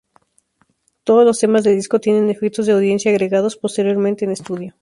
Todos los temas del disco tienen efectos de audiencia agregados posteriormente en estudio.